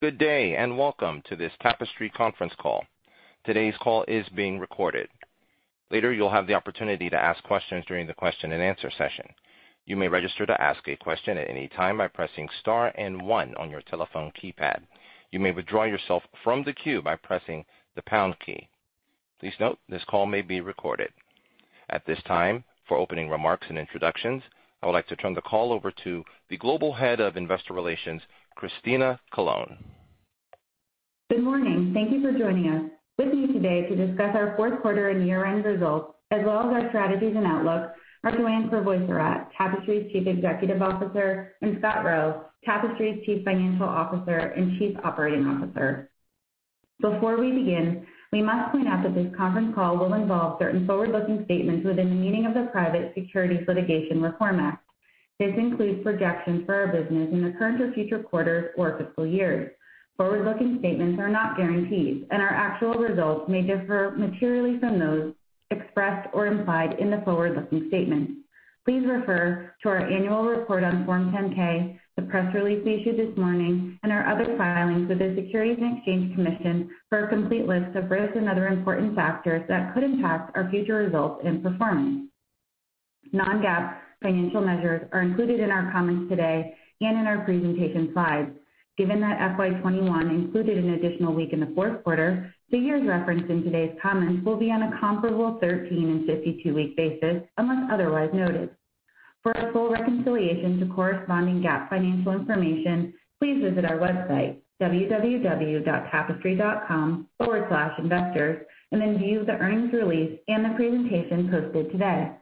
Good day, and welcome to this Tapestry conference call. Today's call is being recorded. Later, you'll have the opportunity to ask questions during the question-and-answer session. You may register to ask a question at any time by pressing star and one on your telephone keypad. You may withdraw yourself from the queue by pressing the pound key. Please note, this call may be recorded. At this time, for opening remarks and introductions, I would like to turn the call over to the Global Head of Investor Relations, Christina Colone. Good morning. Thank you for joining us. With me today to discuss our Q4 and year-end results as well as our strategies and outlook are Joanne Crevoiserat, Tapestry's Chief Executive Officer, and Scott Roe, Tapestry's Chief Financial Officer and Chief Operating Officer. Before we begin, we must point out that this conference call will involve certain forward-looking statements within the meaning of the Private Securities Litigation Reform Act. This includes projections for our business in the current or future quarters or fiscal years. Forward-looking statements are not guarantees, and our actual results may differ materially from those expressed or implied in the forward-looking statements. Please refer to our annual report on Form 10-K, the press release issued this morning, and our other filings with the Securities and Exchange Commission for a complete list of risks and other important factors that could impact our future results and performance. Non-GAAP financial measures are included in our comments today and in our presentation slides. Given that FY21 included an additional week in the Q4, figures referenced in today's comments will be on a comparable 13- and 52-week basis unless otherwise noted. For a full reconciliation to corresponding GAAP financial information, please visit our website, www.tapestry.com/investors, and then view the earnings release and the presentation posted today.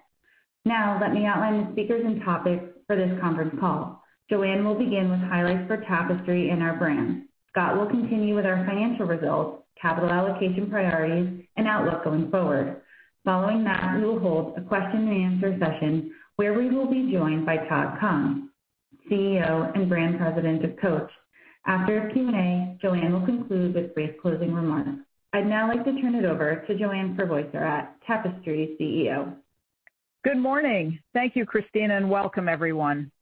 Now, let me outline the speakers and topics for this conference call. Joanne will begin with highlights for Tapestry and our brands. Scott will continue with our financial results, capital allocation priorities, and outlook going forward. Following that, we will hold a question-and-answer session where we will be joined by Todd Kahn, CEO and Brand President of Coach. After our Q&A, Joanne will conclude with brief closing remarks. I'd now like to turn it over to Joanne Crevoiserat, Tapestry's CEO. Good morning. Thank you, Christina, and welcome everyone.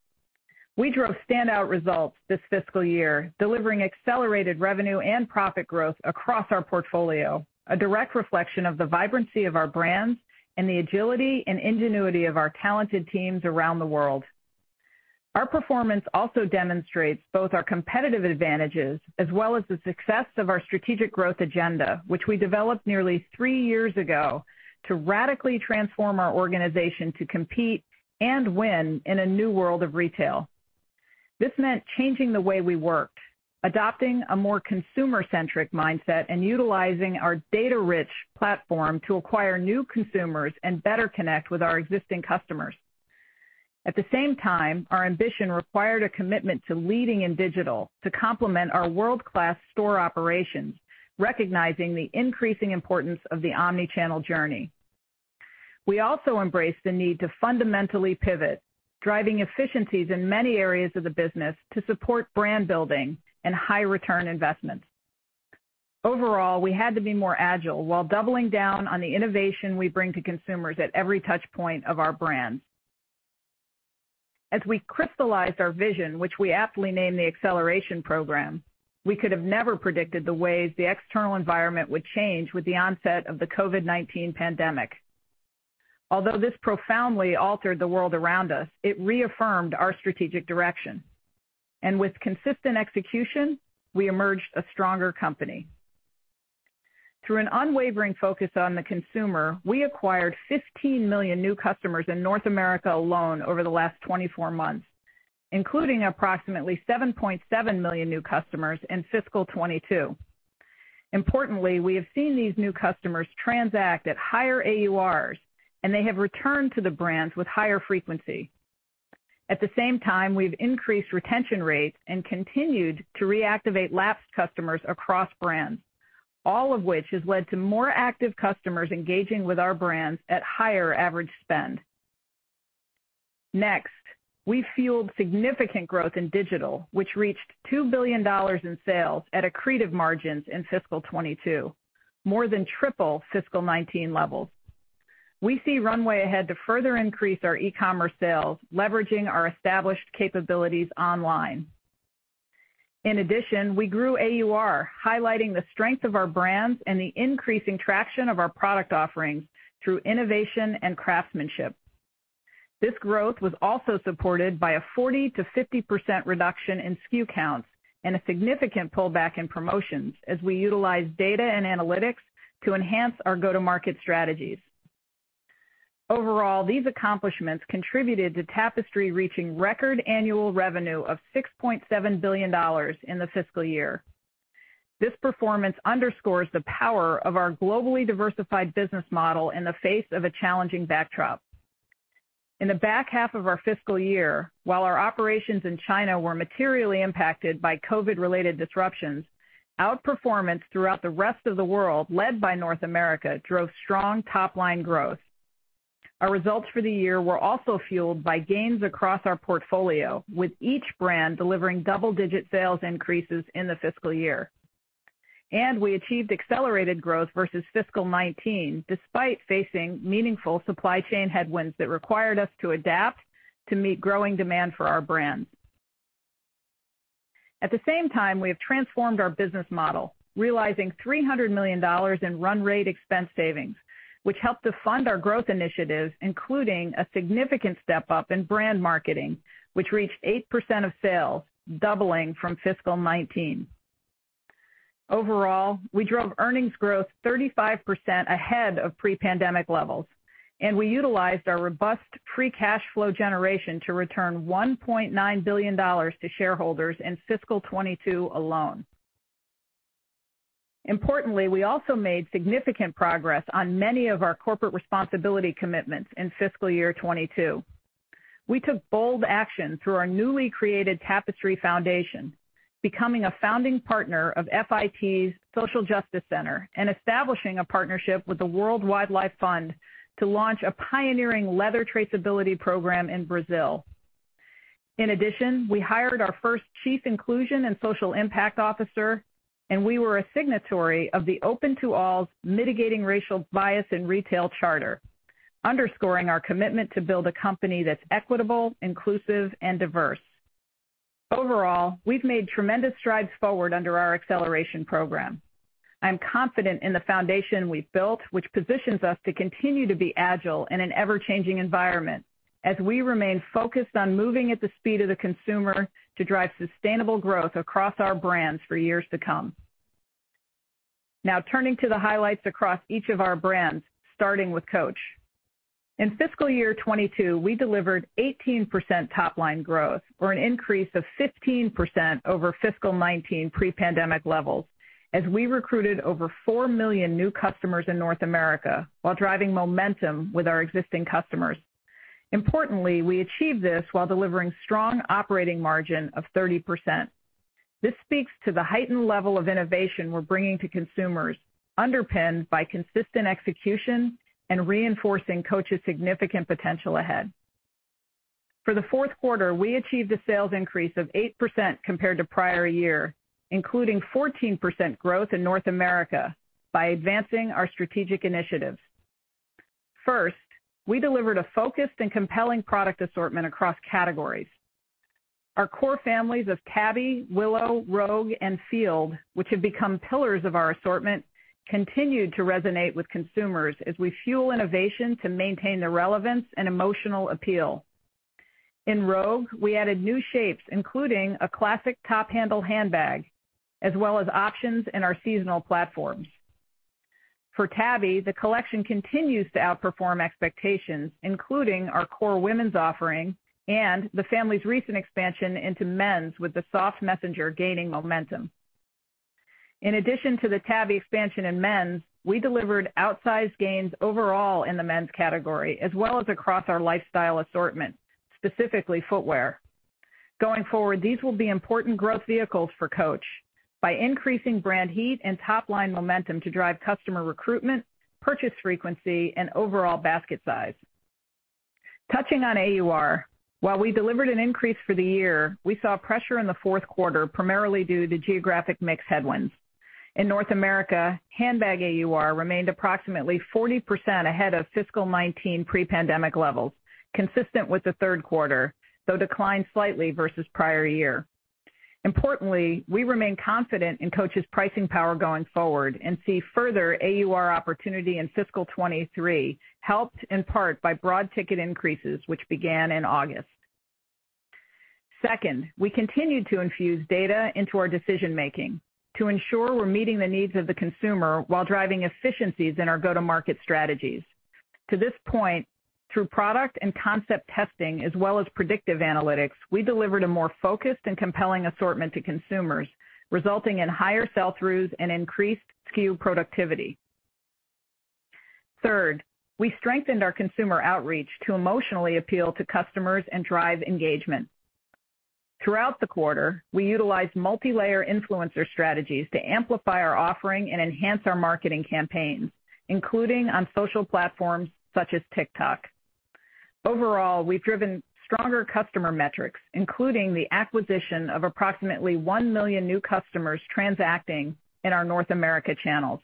We drove standout results this fiscal year, delivering accelerated revenue and profit growth across our portfolio, a direct reflection of the vibrancy of our brands and the agility and ingenuity of our talented teams around the world. Our performance also demonstrates both our competitive advantages as well as the success of our strategic growth agenda, which we developed nearly three years ago to radically transform our organization to compete and win in a new world of retail. This meant changing the way we worked, adopting a more consumer-centric mindset, and utilizing our data-rich platform to acquire new consumers and better connect with our existing customers. At the same time, our ambition required a commitment to leading in digital to complement our world-class store operations, recognizing the increasing importance of the omni-channel journey. We also embraced the need to fundamentally pivot, driving efficiencies in many areas of the business to support brand building and high-return investments. Overall, we had to be more agile while doubling down on the innovation we bring to consumers at every touch point of our brands. As we crystallized our vision, which we aptly named the Acceleration Program, we could have never predicted the ways the external environment would change with the onset of the COVID-19 pandemic. Although this profoundly altered the world around us, it reaffirmed our strategic direction. With consistent execution, we emerged a stronger company. Through an unwavering focus on the consumer, we acquired 15 million new customers in North America alone over the last 24 months, including approximately 7.7 million new customers in fiscal 2022. Importantly, we have seen these new customers transact at higher AURs, and they have returned to the brands with higher frequency. At the same time, we've increased retention rates and continued to reactivate lapsed customers across brands, all of which has led to more active customers engaging with our brands at higher average spend. Next, we fueled significant growth in digital, which reached $2 billion in sales at accretive margins in fiscal 2022, more than triple fiscal 2019 levels. We see runway ahead to further increase our e-commerce sales, leveraging our established capabilities online. In addition, we grew AUR, highlighting the strength of our brands and the increasing traction of our product offerings through innovation and craftsmanship. This growth was also supported by a 40%-50% reduction in SKU counts and a significant pullback in promotions as we utilized data and analytics to enhance our go-to-market strategies. Overall, these accomplishments contributed to Tapestry reaching record annual revenue of $6.7 billion in the fiscal year. This performance underscores the power of our globally diversified business model in the face of a challenging backdrop. In the back half of our fiscal year, while our operations in China were materially impacted by COVID-related disruptions, outperformance throughout the rest of the world, led by North America, drove strong top-line growth. Our results for the year were also fueled by gains across our portfolio, with each brand delivering double-digit sales increases in the fiscal year. We achieved accelerated growth versus fiscal 2019, despite facing meaningful supply chain headwinds that required us to adapt to meet growing demand for our brands. At the same time, we have transformed our business model, realizing $300 million in run rate expense savings, which helped to fund our growth initiatives, including a significant step-up in brand marketing, which reached 8% of sales, doubling from fiscal 2019. Overall, we drove earnings growth 35% ahead of pre-pandemic levels, and we utilized our robust free cash flow generation to return $1.9 billion to shareholders in fiscal 2022 alone. Importantly, we also made significant progress on many of our corporate responsibility commitments in FY 2022. We took bold action through our newly created Tapestry Foundation, becoming a founding partner of FIT's Social Justice Center and establishing a partnership with the World Wildlife Fund to launch a pioneering leather traceability program in Brazil. In addition, we hired our first chief inclusion and social impact officer, and we were a signatory of the Open to All's Mitigate Racial Bias in Retail Charter, underscoring our commitment to build a company that's equitable, inclusive, and diverse. Overall, we've made tremendous strides forward under our Acceleration Program. I'm confident in the foundation we've built, which positions us to continue to be agile in an ever-changing environment as we remain focused on moving at the speed of the consumer to drive sustainable growth across our brands for years to come. Now, turning to the highlights across each of our brands, starting with Coach. In FY 2022, we delivered 18% top line growth or an increase of 15% over Fiscal 2019 pre-pandemic levels as we recruited over four million new customers in North America while driving momentum with our existing customers. Importantly, we achieved this while delivering strong operating margin of 30%. This speaks to the heightened level of innovation we're bringing to consumers, underpinned by consistent execution and reinforcing Coach's significant potential ahead. For the Q4, we achieved a sales increase of 8% compared to prior year, including 14% growth in North America by advancing our strategic initiatives. First, we delivered a focused and compelling product assortment across categories. Our core families of Tabby, Willow, Rogue, and Field, which have become pillars of our assortment, continued to resonate with consumers as we fuel innovation to maintain their relevance and emotional appeal. In Rogue, we added new shapes, including a classic top handle handbag, as well as options in our seasonal platforms. For Tabby, the collection continues to outperform expectations, including our core women's offering and the family's recent expansion into men's with the soft messenger gaining momentum. In addition to the Tabby expansion in men's, we delivered outsized gains overall in the men's category, as well as across our lifestyle assortment, specifically footwear. Going forward, these will be important growth vehicles for Coach by increasing brand heat and top-line momentum to drive customer recruitment, purchase frequency, and overall basket size. Touching on AUR, while we delivered an increase for the year, we saw pressure in the Q4, primarily due to geographic mix headwinds. In North America, handbag AUR remained approximately 40% ahead of fiscal 2019 pre-pandemic levels, consistent with the Q3, though declined slightly versus prior year. Importantly, we remain confident in Coach's pricing power going forward and see further AUR opportunity in fiscal 2023, helped in part by broad ticket increases, which began in August. Second, we continued to infuse data into our decision-making to ensure we're meeting the needs of the consumer while driving efficiencies in our go-to-market strategies. To this point, through product and concept testing as well as predictive analytics, we delivered a more focused and compelling assortment to consumers, resulting in higher sell-throughs and increased SKU productivity. Third, we strengthened our consumer outreach to emotionally appeal to customers and drive engagement. Throughout the quarter, we utilized multilayer influencer strategies to amplify our offering and enhance our marketing campaigns, including on social platforms such as TikTok. Overall, we've driven stronger customer metrics, including the acquisition of approximately 1 million new customers transacting in our North America channels.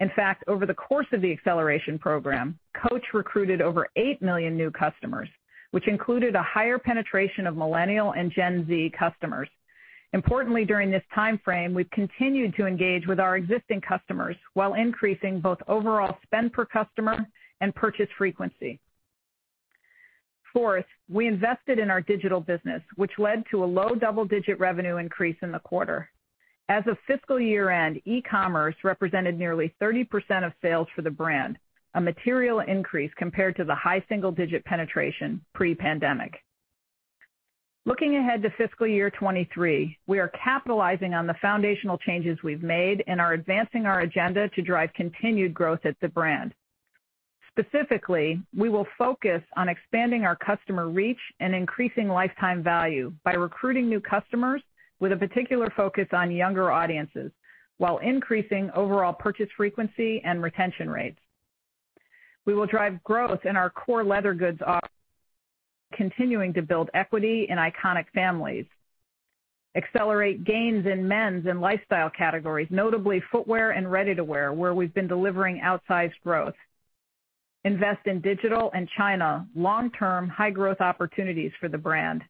In fact, over the course of the Acceleration Program, Coach recruited over 8 million new customers, which included a higher penetration of Millennial and Gen Z customers. Importantly, during this time frame, we've continued to engage with our existing customers while increasing both overall spend per customer and purchase frequency. Fourth, we invested in our digital business, which led to a low double-digit revenue increase in the quarter. As of fiscal year-end, e-commerce represented nearly 30% of sales for the brand, a material increase compared to the high single-digit penetration pre-pandemic. Looking ahead to fiscal year 2023, we are capitalizing on the foundational changes we've made and are advancing our agenda to drive continued growth at the brand. Specifically, we will focus on expanding our customer reach and increasing lifetime value by recruiting new customers with a particular focus on younger audiences while increasing overall purchase frequency and retention rates. We will drive growth in our core leather goods and continuing to build equity in iconic families, accelerate gains in men's and lifestyle categories, notably footwear and ready-to-wear, where we've been delivering outsized growth. Invest in digital and China long-term high growth opportunities for the brand,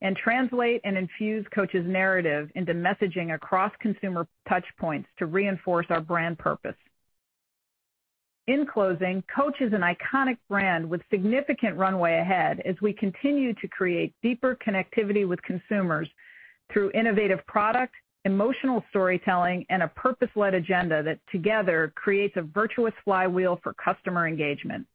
and translate and infuse Coach's narrative into messaging across consumer touch points to reinforce our brand purpose. In closing, Coach is an iconic brand with significant runway ahead as we continue to create deeper connectivity with consumers through innovative products, emotional storytelling, and a purpose-led agenda that together creates a virtuous flywheel for customer engagement.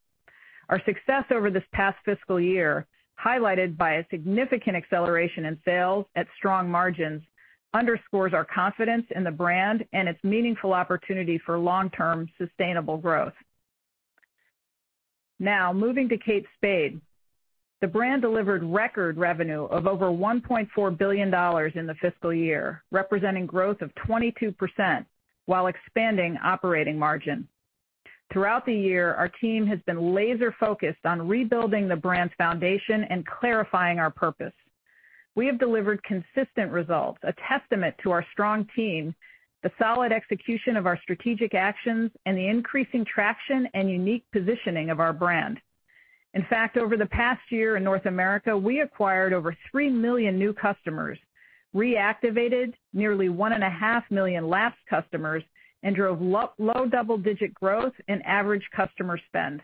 Our success over this past fiscal year, highlighted by a significant acceleration in sales at strong margins, underscores our confidence in the brand and its meaningful opportunity for long-term sustainable growth. Now moving to Kate Spade. The brand delivered record revenue of over $1.4 billion in the fiscal year, representing growth of 22% while expanding operating margin. Throughout the year, our team has been laser focused on rebuilding the brand's foundation and clarifying our purpose. We have delivered consistent results, a testament to our strong team, the solid execution of our strategic actions, and the increasing traction and unique positioning of our brand. In fact, over the past year in North America, we acquired over 3 million new customers, reactivated nearly 1.5 million lapsed customers, and drove low double-digit growth in average customer spend.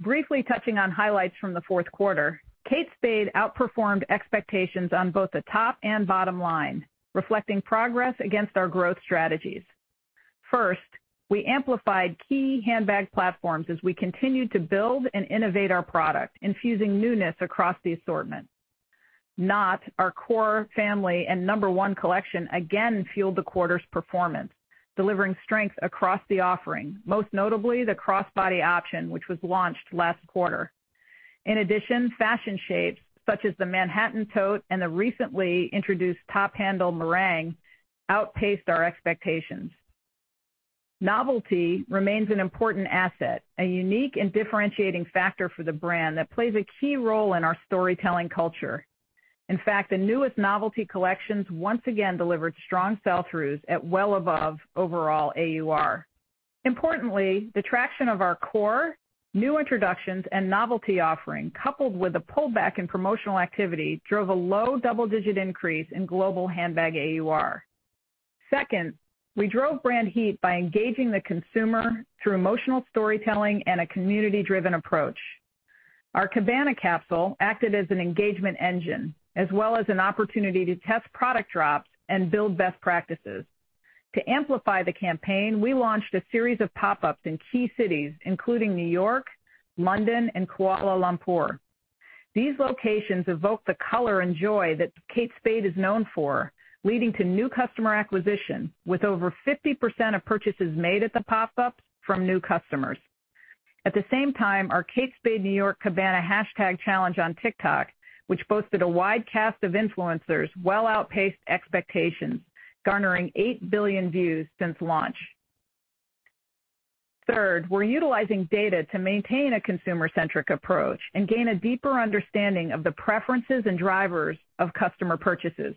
Briefly touching on highlights from the Q4, Kate Spade outperformed expectations on both the top and bottom line, reflecting progress against our growth strategies. First, we amplified key handbag platforms as we continued to build and innovate our product, infusing newness across the assortment. Knott, our core family and number one collection again fueled the quarter's performance, delivering strength across the offering, most notably the crossbody option, which was launched last quarter. In addition, fashion shapes such as the Manhattan tote and the recently introduced top handle Meringue outpaced our expectations. Novelty remains an important asset, a unique and differentiating factor for the brand that plays a key role in our storytelling culture. In fact, the newest novelty collections once again delivered strong sell-throughs at well above overall AUR. Importantly, the traction of our core new introductions and novelty offering, coupled with a pullback in promotional activity, drove a low double-digit increase in global handbag AUR. Second, we drove brand heat by engaging the consumer through emotional storytelling and a community-driven approach. Our Cabana capsule acted as an engagement engine as well as an opportunity to test product drops and build best practices. To amplify the campaign, we launched a series of pop-ups in key cities including New York, London, and Kuala Lumpur. These locations evoke the color and joy that Kate Spade is known for, leading to new customer acquisition with over 50% of purchases made at the pop-ups from new customers. At the same time, our Kate Spade New York Cabana hashtag challenge on TikTok, which boasted a wide cast of influencers, well outpaced expectations, garnering eight billion views since launch. Third, we're utilizing data to maintain a consumer-centric approach and gain a deeper understanding of the preferences and drivers of customer purchases.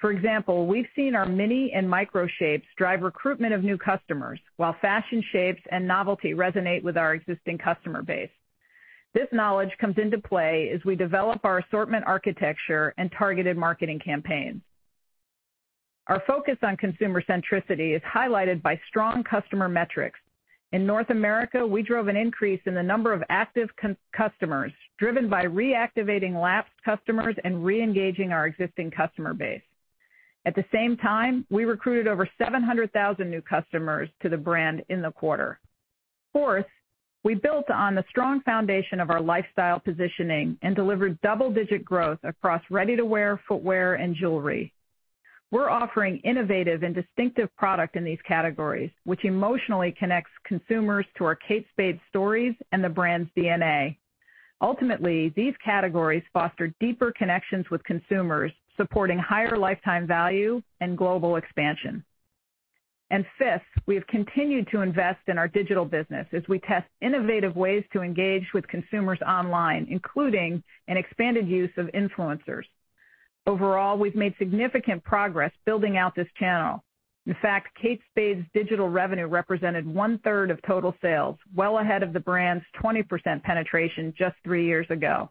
For example, we've seen our mini and micro shapes drive recruitment of new customers, while fashion shapes and novelty resonate with our existing customer base. This knowledge comes into play as we develop our assortment architecture and targeted marketing campaigns. Our focus on consumer centricity is highlighted by strong customer metrics. In North America, we drove an increase in the number of active customers driven by reactivating lapsed customers and re-engaging our existing customer base. At the same time, we recruited over 700,000 new customers to the brand in the quarter. Fourth, we built on the strong foundation of our lifestyle positioning and delivered double-digit growth across ready-to-wear footwear and jewelry. We're offering innovative and distinctive product in these categories, which emotionally connects consumers to our Kate Spade stories and the brand's DNA. Ultimately, these categories foster deeper connections with consumers, supporting higher lifetime value and global expansion. Fifth, we have continued to invest in our digital business as we test innovative ways to engage with consumers online, including an expanded use of influencers. Overall, we've made significant progress building out this channel. In fact, Kate Spade's digital revenue represented one third of total sales, well ahead of the brand's 20% penetration just three years ago.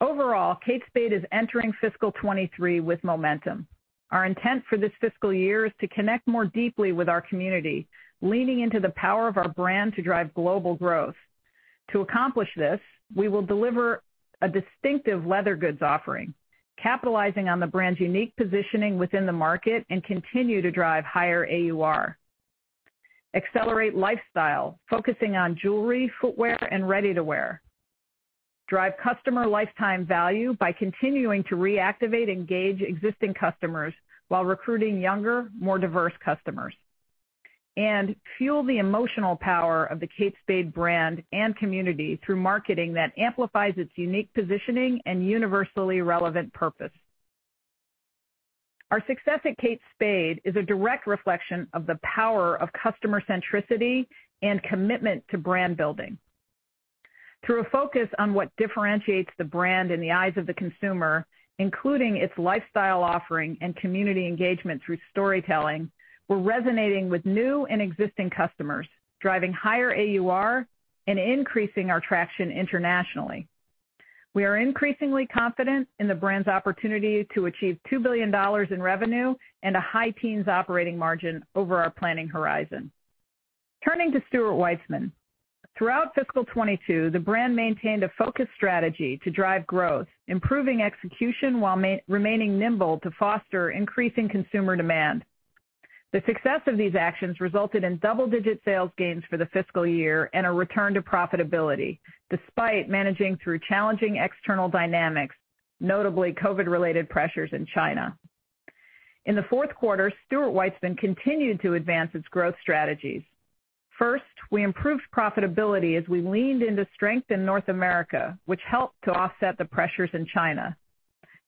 Overall, Kate Spade is entering fiscal 2023 with momentum. Our intent for this fiscal year is to connect more deeply with our community, leaning into the power of our brand to drive global growth. To accomplish this, we will deliver a distinctive leather goods offering, capitalizing on the brand's unique positioning within the market and continue to drive higher AUR. Accelerate lifestyle, focusing on jewelry, footwear, and ready-to-wear. Drive customer lifetime value by continuing to reactivate, engage existing customers while recruiting younger, more diverse customers. Fuel the emotional power of the Kate Spade brand and community through marketing that amplifies its unique positioning and universally relevant purpose. Our success at Kate Spade is a direct reflection of the power of customer centricity and commitment to brand building. Through a focus on what differentiates the brand in the eyes of the consumer, including its lifestyle offering and community engagement through storytelling, we're resonating with new and existing customers, driving higher AUR and increasing our traction internationally. We are increasingly confident in the brand's opportunity to achieve $2 billion in revenue and a high-teens operating margin over our planning horizon. Turning to Stuart Weitzman. Throughout fiscal 2022, the brand maintained a focused strategy to drive growth, improving execution while remaining nimble to foster increasing consumer demand. The success of these actions resulted in double-digit sales gains for the fiscal year and a return to profitability, despite managing through challenging external dynamics, notably COVID-related pressures in China. In the Q4, Stuart Weitzman continued to advance its growth strategies. First, we improved profitability as we leaned into strength in North America, which helped to offset the pressures in China.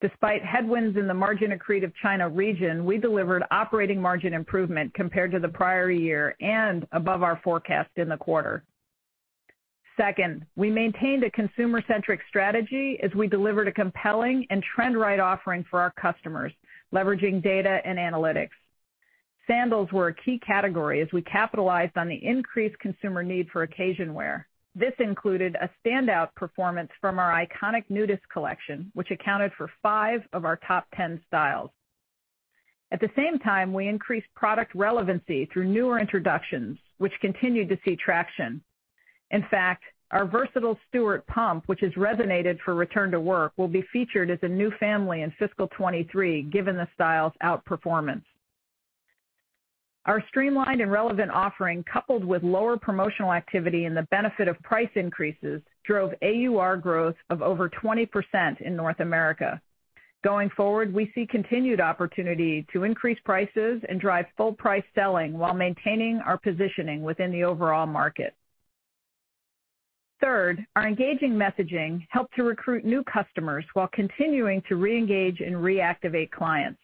Despite headwinds in the margin accretive China region, we delivered operating margin improvement compared to the prior year and above our forecast in the quarter. Second, we maintained a consumer-centric strategy as we delivered a compelling and trend-right offering for our customers, leveraging data and analytics. Sandals were a key category as we capitalized on the increased consumer need for occasion wear. This included a standout performance from our iconic Nudist collection, which accounted for five of our top 10 styles. At the same time, we increased product relevancy through newer introductions, which continued to see traction. In fact, our versatile Stuart pump, which has resonated for return to work, will be featured as a new family in fiscal 2023, given the style's outperformance. Our streamlined and relevant offering, coupled with lower promotional activity and the benefit of price increases, drove AUR growth of over 20% in North America. Going forward, we see continued opportunity to increase prices and drive full-price selling while maintaining our positioning within the overall market. Third, our engaging messaging helped to recruit new customers while continuing to reengage and reactivate clients.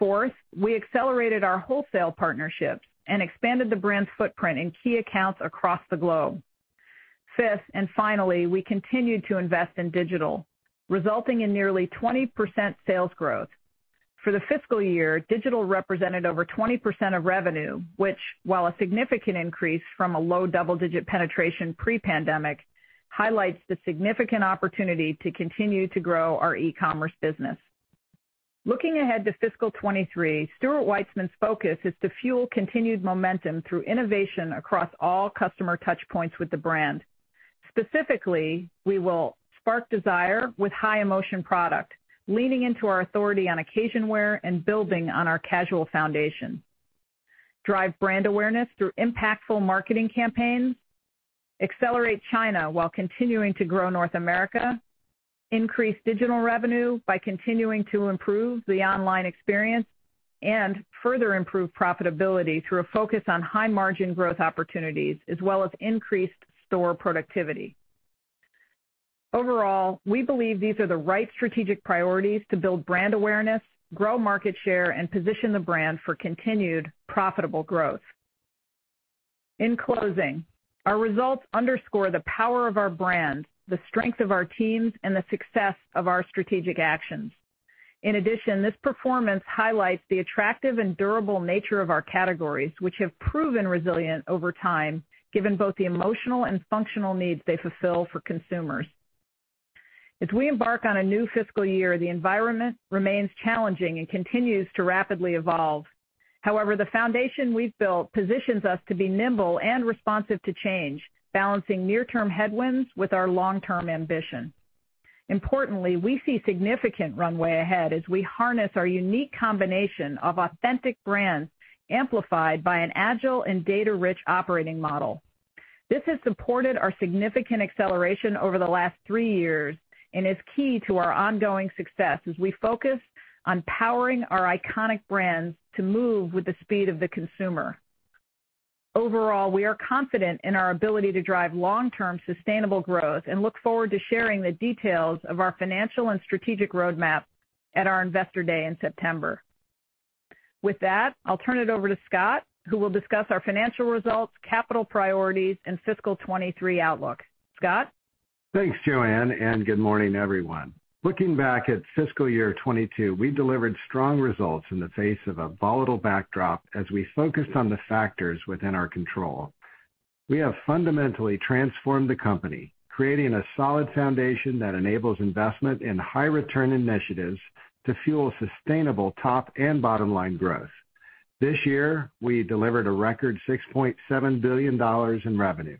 Fourth, we accelerated our wholesale partnerships and expanded the brand's footprint in key accounts across the globe. Fifth, and finally, we continued to invest in digital, resulting in nearly 20% sales growth. For the fiscal year, digital represented over 20% of revenue, which, while a significant increase from a low double-digit penetration pre-pandemic, highlights the significant opportunity to continue to grow our e-commerce business. Looking ahead to fiscal 2023, Stuart Weitzman's focus is to fuel continued momentum through innovation across all customer touchpoints with the brand. Specifically, we will spark desire with high emotion product, leaning into our authority on occasion wear and building on our casual foundation, drive brand awareness through impactful marketing campaigns, accelerate China while continuing to grow North America, increase digital revenue by continuing to improve the online experience, and further improve profitability through a focus on high-margin growth opportunities as well as increased store productivity. Overall, we believe these are the right strategic priorities to build brand awareness, grow market share, and position the brand for continued profitable growth. In closing, our results underscore the power of our brand, the strength of our teams, and the success of our strategic actions. In addition, this performance highlights the attractive and durable nature of our categories, which have proven resilient over time, given both the emotional and functional needs they fulfill for consumers. As we embark on a new fiscal year, the environment remains challenging and continues to rapidly evolve. However, the foundation we've built positions us to be nimble and responsive to change, balancing near-term headwinds with our long-term ambition. Importantly, we see significant runway ahead as we harness our unique combination of authentic brands amplified by an agile and data-rich operating model. This has supported our significant acceleration over the last three years and is key to our ongoing success as we focus on powering our iconic brands to move with the speed of the consumer. Overall, we are confident in our ability to drive long-term sustainable growth and look forward to sharing the details of our financial and strategic roadmap at our Investor Day in September. With that, I'll turn it over to Scott, who will discuss our financial results, capital priorities, and fiscal 2023 outlook. Scott? Thanks, Joanne, and good morning, everyone. Looking back at FY 2022, we delivered strong results in the face of a volatile backdrop as we focused on the factors within our control. We have fundamentally transformed the company, creating a solid foundation that enables investment in high-return initiatives to fuel sustainable top and bottom-line growth. This year, we delivered a record $6.7 billion in revenue,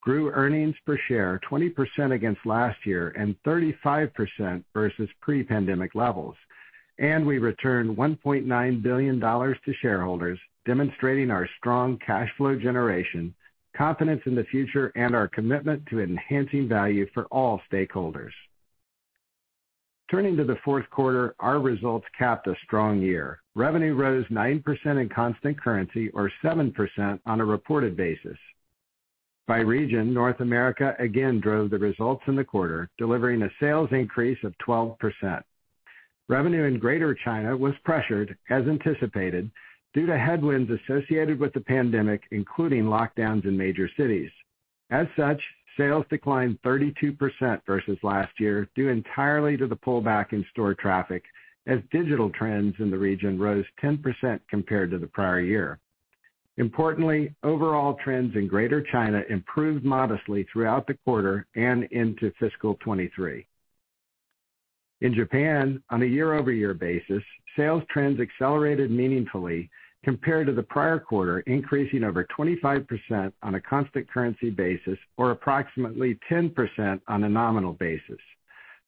grew earnings per share 20% against last year, and 35% versus pre-pandemic levels. We returned $1.9 billion to shareholders, demonstrating our strong cash flow generation, confidence in the future, and our commitment to enhancing value for all stakeholders. Turning to the Q4, our results capped a strong year. Revenue rose 9% in constant currency or 7% on a reported basis. By region, North America again drove the results in the quarter, delivering a sales increase of 12%. Revenue in Greater China was pressured, as anticipated, due to headwinds associated with the pandemic, including lockdowns in major cities. As such, sales declined 32% versus last year, due entirely to the pullback in store traffic as digital trends in the region rose 10% compared to the prior year. Importantly, overall trends in Greater China improved modestly throughout the quarter and into fiscal 2023. In Japan, on a year-over-year basis, sales trends accelerated meaningfully compared to the prior quarter, increasing over 25% on a constant currency basis or approximately 10% on a nominal basis.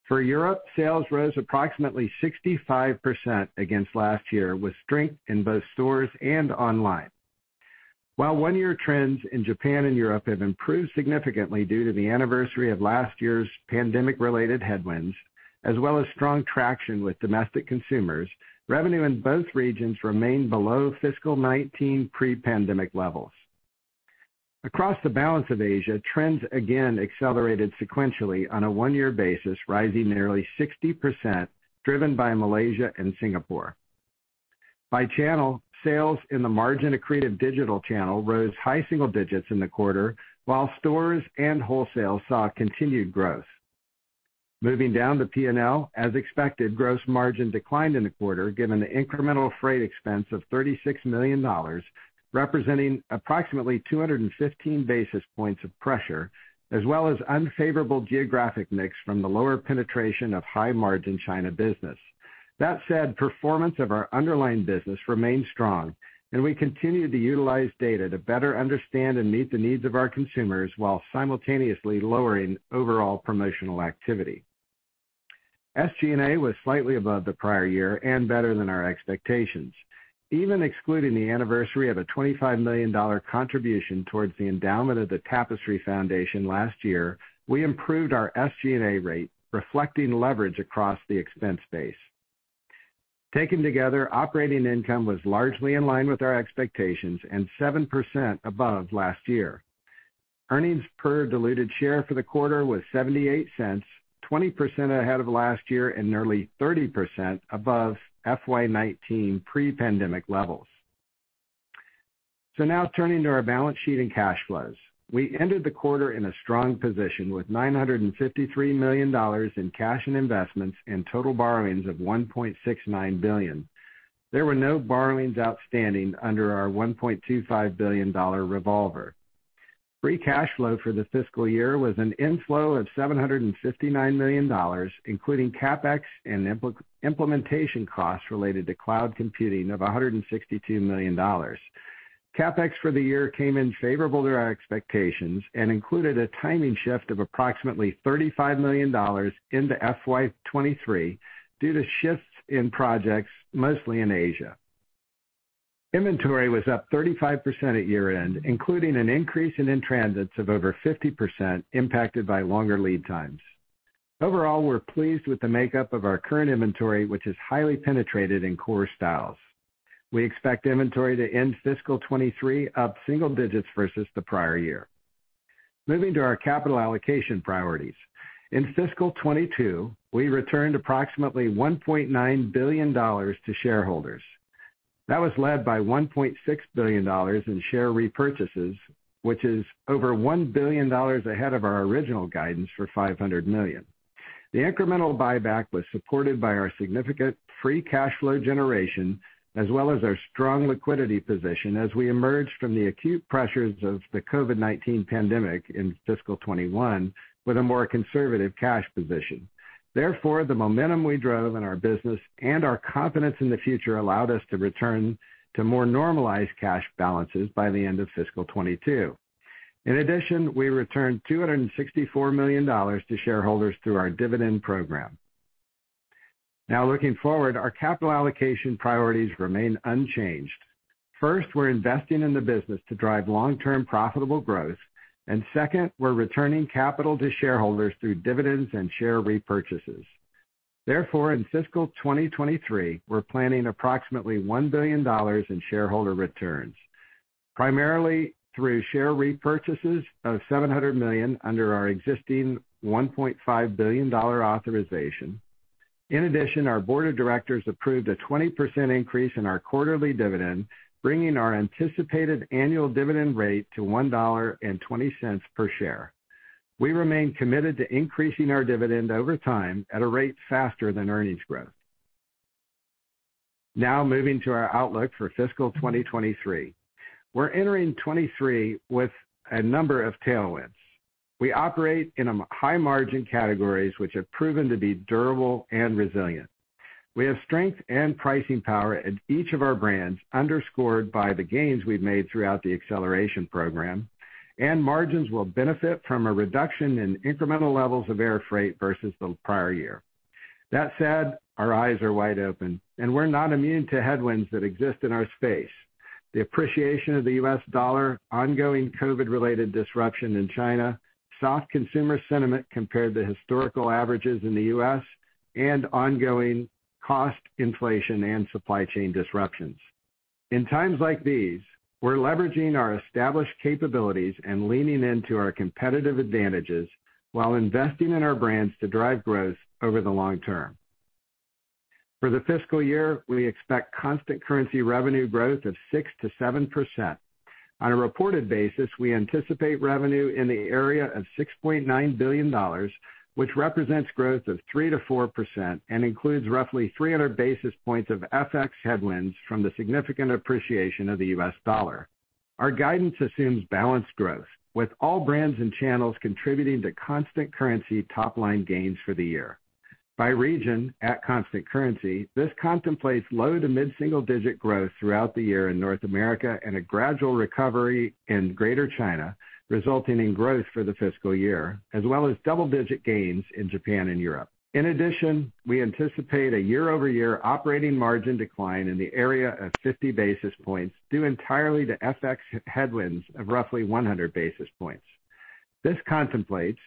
For Europe, sales rose approximately 65% against last year, with strength in both stores and online. While one-year trends in Japan and Europe have improved significantly due to the anniversary of last year's pandemic-related headwinds, as well as strong traction with domestic consumers, revenue in both regions remained below fiscal 2019 pre-pandemic levels. Across the balance of Asia, trends again accelerated sequentially on a one-year basis, rising nearly 60% driven by Malaysia and Singapore. By channel, sales in the margin-accretive digital channel rose high single digits in the quarter, while stores and wholesale saw continued growth. Moving down to P&L, as expected, gross margin declined in the quarter given the incremental freight expense of $36 million, representing approximately 215 basis points of pressure, as well as unfavorable geographic mix from the lower penetration of high-margin China business. That said, performance of our underlying business remained strong, and we continued to utilize data to better understand and meet the needs of our consumers while simultaneously lowering overall promotional activity. SG&A was slightly above the prior year and better than our expectations. Even excluding the anniversary of a $25 million contribution towards the endowment of the Tapestry Foundation last year, we improved our SG&A rate, reflecting leverage across the expense base. Taken together, operating income was largely in line with our expectations and 7% above last year. Earnings per diluted share for the quarter was $0.78, 20% ahead of last year and nearly 30% above FY19 pre-pandemic levels. Now turning to our balance sheet and cash flows. We ended the quarter in a strong position with $953 million in cash and investments and total borrowings of $1.69 billion. There were no borrowings outstanding under our $1.25 billion revolver. Free cash flow for the fiscal year was an inflow of $759 million, including CapEx and implementation costs related to cloud computing of $162 million. CapEx for the year came in favorable to our expectations and included a timing shift of approximately $35 million into FY 2023 due to shifts in projects, mostly in Asia. Inventory was up 35% at year-end, including an increase in in-transits of over 50% impacted by longer lead times. Overall, we're pleased with the makeup of our current inventory, which is highly penetrated in core styles. We expect inventory to end fiscal 2023 up single digits versus the prior year. Moving to our capital allocation priorities. In fiscal 2022, we returned approximately $1.9 billion to shareholders. That was led by $1.6 billion in share repurchases, which is over $1 billion ahead of our original guidance for $500 million. The incremental buyback was supported by our significant free cash flow generation as well as our strong liquidity position as we emerged from the acute pressures of the COVID-19 pandemic in fiscal 2021 with a more conservative cash position. Therefore, the momentum we drove in our business and our confidence in the future allowed us to return to more normalized cash balances by the end of fiscal 2022. In addition, we returned $264 million to shareholders through our dividend program. Now, looking forward, our capital allocation priorities remain unchanged. First, we're investing in the business to drive long-term profitable growth, and second, we're returning capital to shareholders through dividends and share repurchases. Therefore, in fiscal 2023, we're planning approximately $1 billion in shareholder returns, primarily through share repurchases of $700 million under our existing $1.5 billion authorization. In addition, our board of directors approved a 20% increase in our quarterly dividend, bringing our anticipated annual dividend rate to $1.20 per share. We remain committed to increasing our dividend over time at a rate faster than earnings growth. Now moving to our outlook for fiscal 2023. We're entering 2023 with a number of tailwinds. We operate in a high-margin categories, which have proven to be durable and resilient. We have strength and pricing power at each of our brands, underscored by the gains we've made throughout the Acceleration Program, and margins will benefit from a reduction in incremental levels of air freight versus the prior year. That said, our eyes are wide open, and we're not immune to headwinds that exist in our space. The appreciation of the U.S. dollar, ongoing COVID-related disruption in China, soft consumer sentiment compared to historical averages in the US, and ongoing cost inflation and supply chain disruptions. In times like these, we're leveraging our established capabilities and leaning into our competitive advantages while investing in our brands to drive growth over the long term. For the fiscal year, we expect constant currency revenue growth of 6% to 7%. On a reported basis, we anticipate revenue in the area of $6.9 billion, which represents growth of 3% to 4% and includes roughly 300 basis points of FX headwinds from the significant appreciation of the US dollar. Our guidance assumes balanced growth, with all brands and channels contributing to constant currency top line gains for the year. By region, at constant currency, this contemplates low to mid-single digit growth throughout the year in North America and a gradual recovery in Greater China, resulting in growth for the fiscal year, as well as double-digit gains in Japan and Europe. In addition, we anticipate a year-over-year operating margin decline in the area of 50 basis points, due entirely to FX headwinds of roughly 100 basis points. This contemplates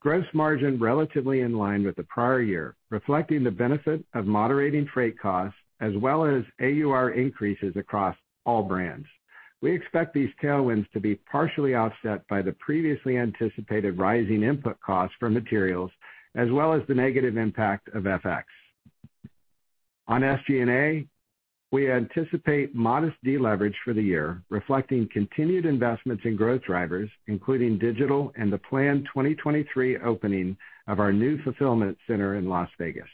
gross margin relatively in line with the prior year, reflecting the benefit of moderating freight costs as well as AUR increases across all brands. We expect these tailwinds to be partially offset by the previously anticipated rising input costs for materials, as well as the negative impact of FX. On SG&A, we anticipate modest deleverage for the year, reflecting continued investments in growth drivers, including digital and the planned 2023 opening of our new fulfillment center in Las Vegas.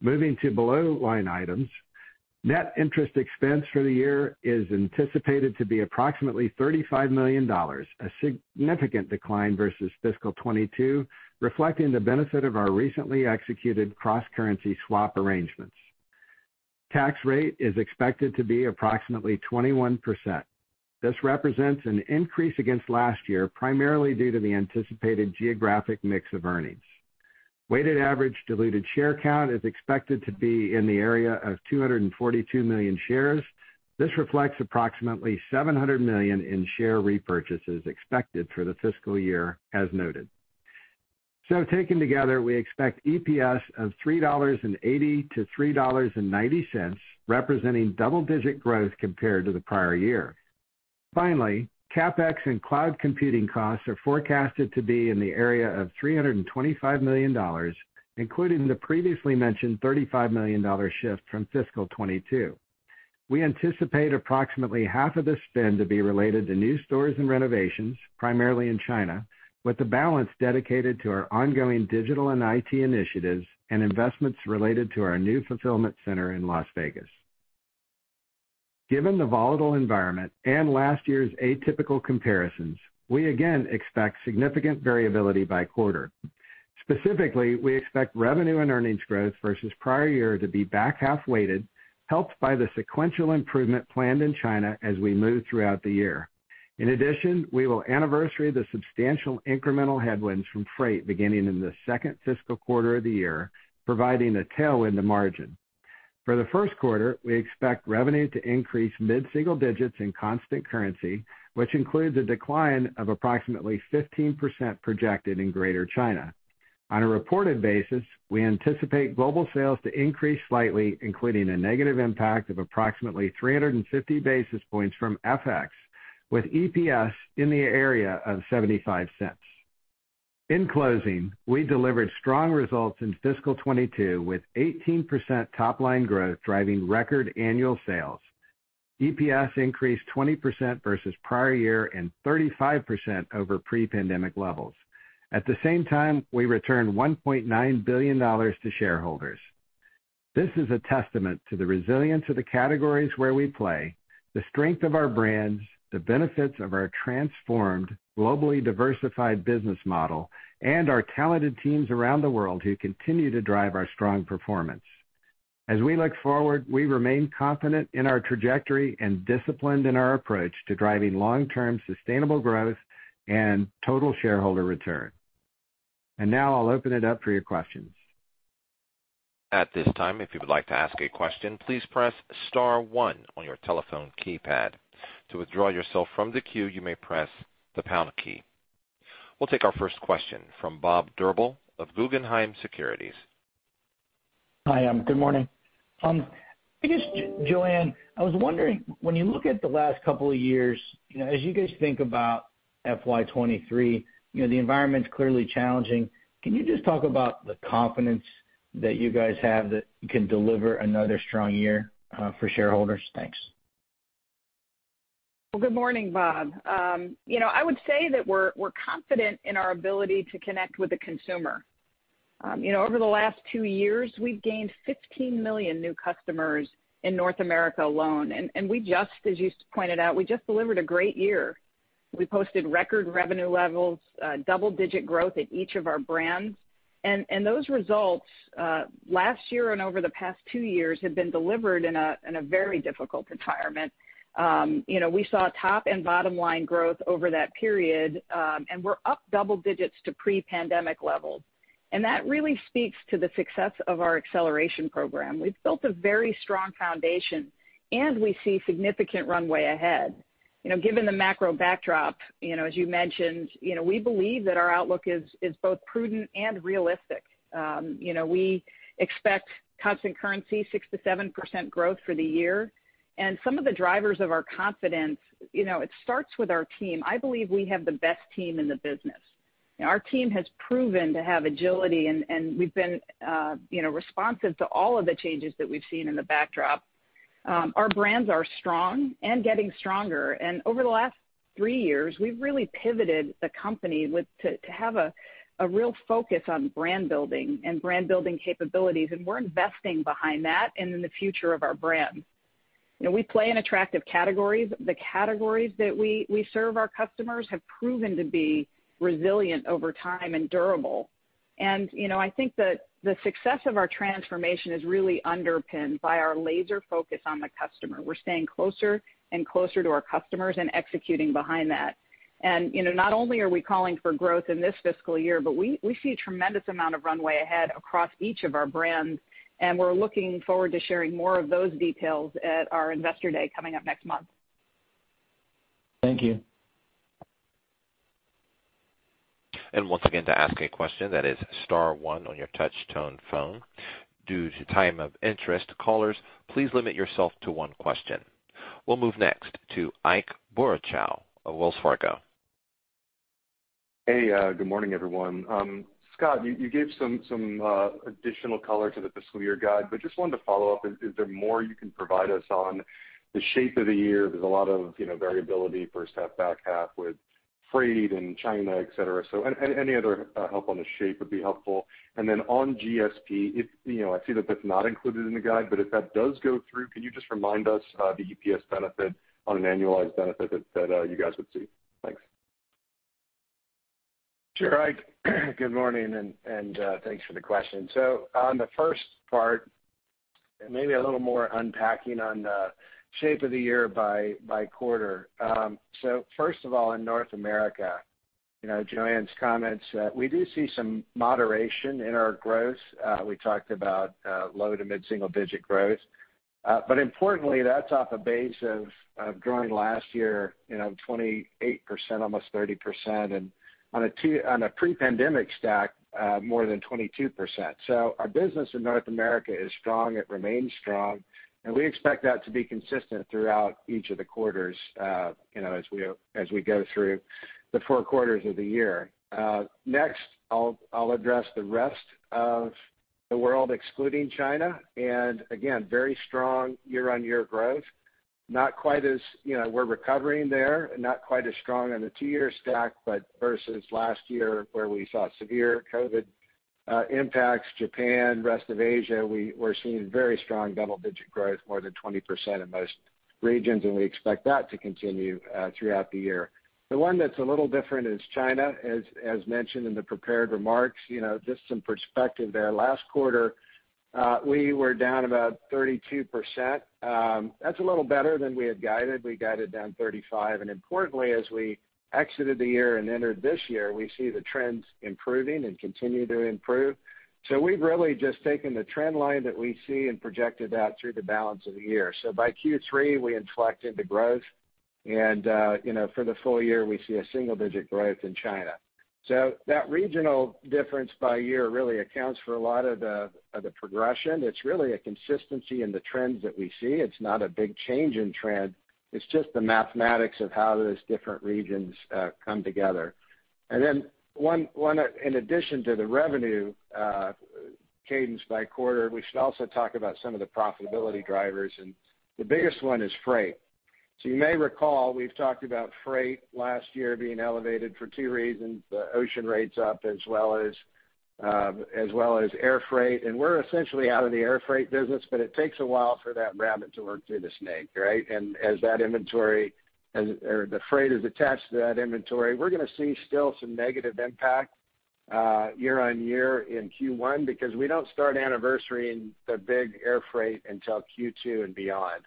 Moving to below line items, net interest expense for the year is anticipated to be approximately $35 million, a significant decline versus fiscal 2022, reflecting the benefit of our recently executed cross-currency swap arrangements. Tax rate is expected to be approximately 21%. This represents an increase against last year, primarily due to the anticipated geographic mix of earnings. Weighted average diluted share count is expected to be in the area of 242 million shares. This reflects approximately $700 million in share repurchases expected for the fiscal year as noted. Taken together, we expect EPS of $3.80-$3.90, representing double-digit growth compared to the prior year. Finally, CapEx and cloud computing costs are forecasted to be in the area of $325 million, including the previously mentioned $35 million shift from fiscal 2022. We anticipate approximately half of the spend to be related to new stores and renovations, primarily in China, with the balance dedicated to our ongoing digital and IT initiatives and investments related to our new fulfillment center in Las Vegas. Given the volatile environment and last year's atypical comparisons, we again expect significant variability by quarter. Specifically, we expect revenue and earnings growth versus prior year to be back-half weighted, helped by the sequential improvement planned in China as we move throughout the year. In addition, we will anniversary the substantial incremental headwinds from freight beginning in the second fiscal quarter of the year, providing a tailwind to margin. For the Q1, we expect revenue to increase mid-single digits in constant currency, which includes a decline of approximately 15% projected in Greater China. On a reported basis, we anticipate global sales to increase slightly, including a negative impact of approximately 350 basis points from FX, with EPS in the area of $0.75. In closing, we delivered strong results in fiscal 2022 with 18% top line growth driving record annual sales. EPS increased 20% versus prior year and 35% over pre-pandemic levels. At the same time, we returned $1.9 billion to shareholders. This is a testament to the resilience of the categories where we play, the strength of our brands, the benefits of our transformed, globally diversified business model, and our talented teams around the world who continue to drive our strong performance. As we look forward, we remain confident in our trajectory and disciplined in our approach to driving long-term sustainable growth and total shareholder return. Now I'll open it up for your questions. At this time, if you would like to ask a question, please press star one on your telephone keypad. To withdraw yourself from the queue, you may press the pound key. We'll take our first question from Bob Drbul of Guggenheim Securities. Hi, good morning. I guess, Joanne, I was wondering, when you look at the last couple of years, you know, as you guys think about FY 2023, you know, the environment's clearly challenging. Can you just talk about the confidence that you guys have that you can deliver another strong year, for shareholders? Thanks. Good morning, Bob. You know, I would say that we're confident in our ability to connect with the consumer. You know, over the last two years, we've gained 15 million new customers in North America alone, and we just, as you pointed out, delivered a great year. We posted record revenue levels, double-digit growth at each of our brands. Those results last year and over the past two years have been delivered in a very difficult environment. You know, we saw top and bottom line growth over that period, and we're up double digits to pre-pandemic levels. That really speaks to the success of our Acceleration Program. We've built a very strong foundation, and we see significant runway ahead. You know, given the macro backdrop, you know, as you mentioned, you know, we believe that our outlook is both prudent and realistic. You know, we expect constant currency 6% to 7% growth for the year. Some of the drivers of our confidence, you know, it starts with our team. I believe we have the best team in the business. Our team has proven to have agility, and we've been, you know, responsive to all of the changes that we've seen in the backdrop. Our brands are strong and getting stronger. Over the last three years, we've really pivoted the company to have a real focus on brand building and brand building capabilities, and we're investing behind that and in the future of our brand. You know, we play in attractive categories. The categories that we serve our customers have proven to be resilient over time and durable. You know, I think that the success of our transformation is really underpinned by our laser focus on the customer. We're staying closer and closer to our customers and executing behind that. You know, not only are we calling for growth in this fiscal year, but we see a tremendous amount of runway ahead across each of our brands, and we're looking forward to sharing more of those details at our Investor Day coming up next month. Thank you. Once again, to ask a question, that is star one on your touch tone phone. Due to time constraints, callers, please limit yourself to one question. We'll move next to Ike Boruchow of Wells Fargo. Hey, good morning, everyone. Scott, you gave some additional color to the fiscal year guide, but just wanted to follow up. Is there more you can provide us on the shape of the year? There's a lot of, you know, variability H1, back half with freight and China, et cetera. Any other help on the shape would be helpful. On GSP, you know, I see that that's not included in the guide, but if that does go through, can you just remind us the EPS benefit on an annualized benefit that you guys would see? Thanks. Sure, Ike. Good morning and thanks for the question. On the first part, maybe a little more unpacking on the shape of the year by quarter. First of all, in North America, you know, Joanne's comments, we do see some moderation in our growth. We talked about low to mid-single digit growth. Importantly, that's off a base of growing last year, you know, 28%, almost 30%. On a pre-pandemic stack, more than 22%. Our business in North America is strong, it remains strong, and we expect that to be consistent throughout each of the quarters, you know, as we go through the four quarters of the year. Next I'll address the rest of the world, excluding China. Again, very strong year-on-year growth. Not quite as, you know, we're recovering there, not quite as strong on the two-year stack, but versus last year where we saw severe COVID impacts, Japan, rest of Asia, we're seeing very strong double-digit growth, more than 20% in most regions, and we expect that to continue throughout the year. The one that's a little different is China. As mentioned in the prepared remarks, you know, just some perspective there. Last quarter, we were down about 32%. That's a little better than we had guided. We guided down 35%. Importantly, as we exited the year and entered this year, we see the trends improving and continue to improve. We've really just taken the trend line that we see and projected out through the balance of the year. By Q3, we inflect into growth and, you know, for the full year, we see single-digit growth in China. That regional difference by year really accounts for a lot of the progression. It's really a consistency in the trends that we see. It's not a big change in trend. It's just the mathematics of how those different regions come together. In addition to the revenue cadence by quarter, we should also talk about some of the profitability drivers, and the biggest one is freight. You may recall, we've talked about freight last year being elevated for two reasons. The ocean rates up as well as air freight. We're essentially out of the air freight business, but it takes a while for that rabbit to work through the snake, right? As that inventory, as the freight is attached to that inventory, we're gonna see still some negative impact year-over-year in Q1 because we don't start anniversary-ing the big air freight until Q2 and beyond.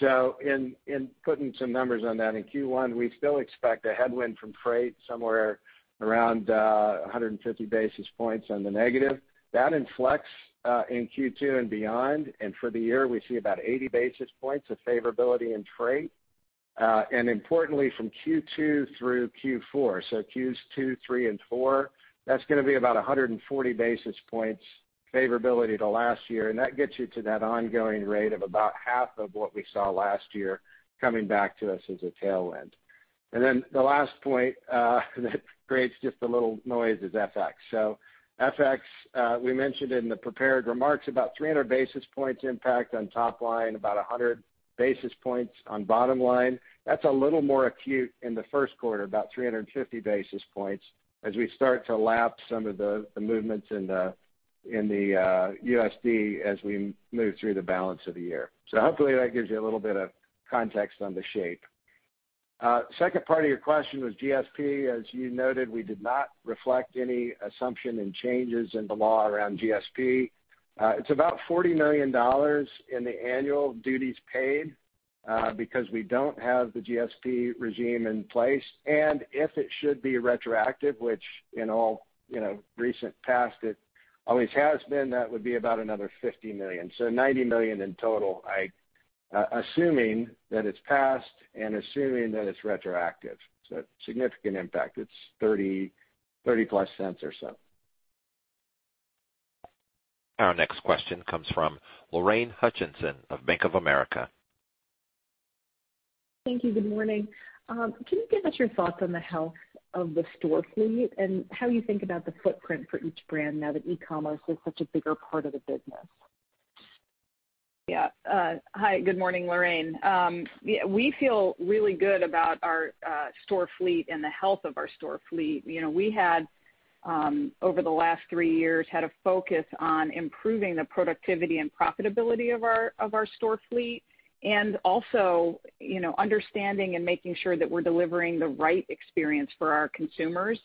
In putting some numbers on that, in Q1, we still expect a headwind from freight somewhere around 150 basis points on the negative. That inflects in Q2 and beyond. For the year, we see about 80 basis points of favorability in freight. Importantly from Q2 through Q4, so Qs two, three, and four, that's gonna be about 140 basis points favorability to last year. That gets you to that ongoing rate of about half of what we saw last year coming back to us as a tailwind. Then the last point that creates just a little noise is FX. So FX, we mentioned in the prepared remarks about 300 basis points impact on top line, about 100 basis points on bottom line. That's a little more acute in the Q1, about 350 basis points as we start to lap some of the movements in the USD as we move through the balance of the year. So hopefully that gives you a little bit of context on the shape. Second part of your question was GSP. As you noted, we did not reflect any assumption and changes in the law around GSP. It's about $40 million in the annual duties paid, because we don't have the GSP regime in place. If it should be retroactive, which in all, you know, recent past, it always has been, that would be about another $50 million. $90 million in total, Ike. Assuming that it's passed and assuming that it's retroactive. Significant impact. It's $0.30, $0.30+ or so. Our next question comes from Lorraine Hutchinson of Bank of America. Thank you. Good morning. Can you give us your thoughts on the health of the store fleet and how you think about the footprint for each brand now that e-commerce is such a bigger part of the business? Yeah. Hi, good morning, Lorraine. Yeah, we feel really good about our store fleet and the health of our store fleet. You know, we had over the last three years had a focus on improving the productivity and profitability of our store fleet, and also, you know, understanding and making sure that we're delivering the right experience for our consumers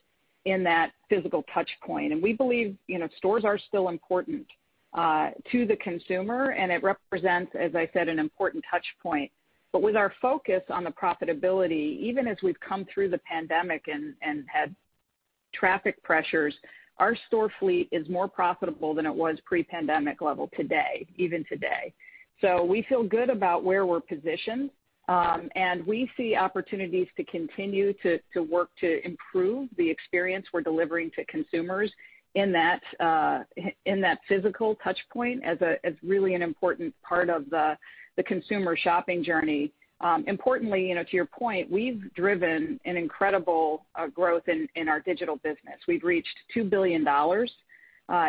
in that physical touch point. We believe, you know, stores are still important to the consumer, and it represents, as I said, an important touch point. With our focus on the profitability, even as we've come through the pandemic and had traffic pressures, our store fleet is more profitable than it was pre-pandemic level today, even today. We feel good about where we're positioned, and we see opportunities to continue to work to improve the experience we're delivering to consumers in that physical touch point as really an important part of the consumer shopping journey. Importantly, you know, to your point, we've driven an incredible growth in our digital business. We've reached $2 billion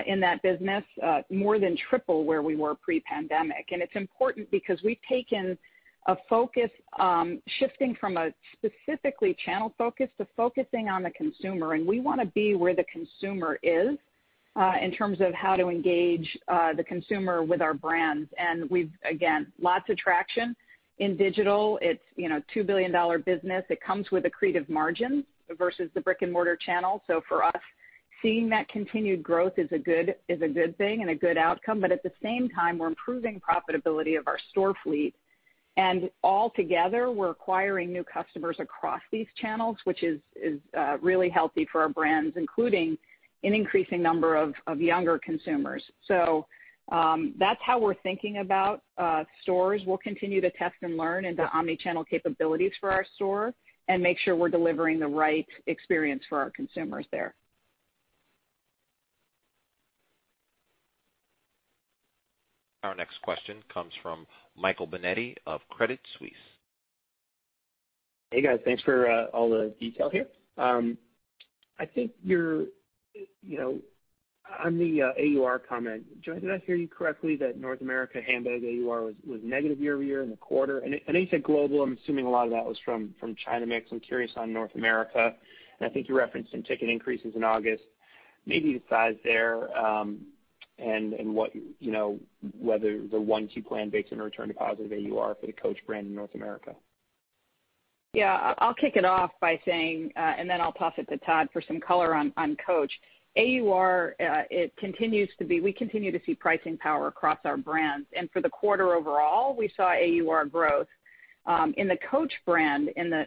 in that business, more than triple where we were pre-pandemic. It's important because we've taken a focus, shifting from a specifically channel focus to focusing on the consumer, and we wanna be where the consumer is in terms of how to engage the consumer with our brands. We've again lots of traction in digital. It's, you know, $2 billion-dollar business. It comes with accretive margin versus the brick-and-mortar channel. For us, seeing that continued growth is a good thing and a good outcome, but at the same time, we're improving profitability of our store fleet. Altogether, we're acquiring new customers across these channels, which is really healthy for our brands, including an increasing number of younger consumers. That's how we're thinking about stores. We'll continue to test and learn into omnichannel capabilities for our store and make sure we're delivering the right experience for our consumers there. Our next question comes from Michael Binetti of Credit Suisse. Hey, guys. Thanks for all the detail here. I think you're, you know, on the AUR comment, Joanne. Did I hear you correctly that North America handbag AUR was negative year-over-year in the quarter? I know you said global. I'm assuming a lot of that was from China mix. I'm curious on North America, and I think you referenced some ticket increases in August. Maybe the size there, and what, you know, whether the one to two plan bakes in a return to positive AUR for the Coach brand in North America. Yeah. I'll kick it off by saying, and then I'll toss it to Todd for some color on Coach. AUR, it continues to be we continue to see pricing power across our brands. For the quarter overall, we saw AUR growth in the Coach brand in the